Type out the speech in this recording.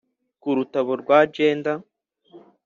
Ku Rutabo rwa Jenda